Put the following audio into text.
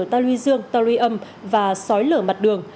ta luy dương ta luy âm và sói lở mặt đường